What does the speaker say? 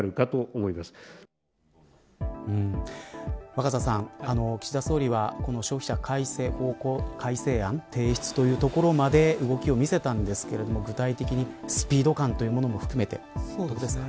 若狭さん岸田総理は消費者改正案提出というところまで動きを見せたんですが具体的にスピード感というものも含めてどうですか。